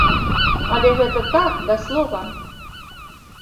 Але гэта так, да слова.